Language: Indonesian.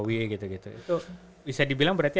itu bisa dibilang berarti